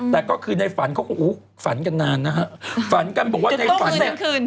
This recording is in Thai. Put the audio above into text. แต่ก็กันในฝันฝันกันนานฝันกันอยู่ทั้งคืน